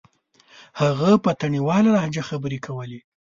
هغه په تڼيواله لهجه خبرې کولې.